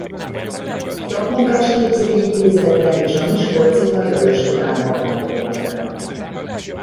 Szakmunkásképző Intézetben és a miskolci Nagy Lajos Király Magánegyetemen.